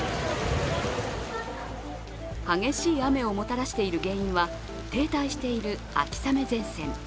激しい雨をもたらしている原因は停滞している秋雨前線。